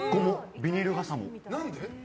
ビニール傘も。